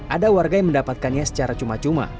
ada warga yang mendapatkannya secara cuma cuma